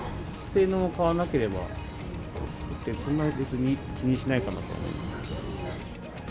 性能も変わらなければ、そんなに別に気にしないかなと思います。